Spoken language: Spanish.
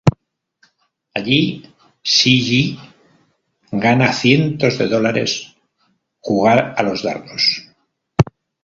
Allí, Shi Jie gana cientos de dólares jugar a los dardos.